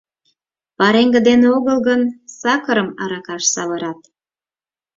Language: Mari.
Пареҥге дене огыл гын, сакырым аракаш савырат.